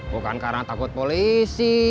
bukan karena takut polisi